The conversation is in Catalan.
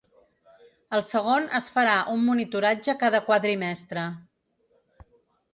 El segon es farà un monitoratge cada quadrimestre.